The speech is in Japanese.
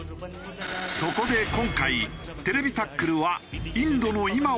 そこで今回『ＴＶタックル』はインドの今を取材。